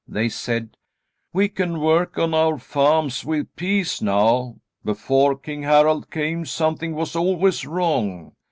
They said: "We can work on our farms with peace now. Before King Harald came, something was always wrong.